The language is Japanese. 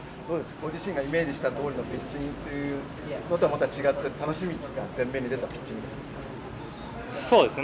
ご自身がイメージしたとおりのピッチングとはまた違って楽しみが前面に出たピッチングですか？